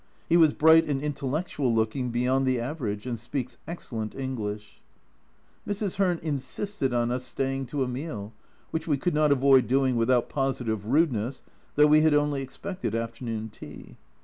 He was bright and intellectual looking, beyond the average, and speaks excellent English. A Journal from Japan 249 Mrs. Hearn insisted on us staying to a meal, which we could not avoid doing without positive rudeness, though we had only expected afternoon tea.